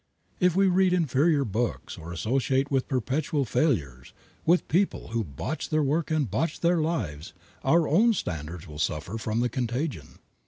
If we read inferior books, or associate with perpetual failures, with people who botch their work and botch their lives our own standards will suffer from the contagion.